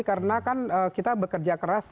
karena kan kita bekerja keras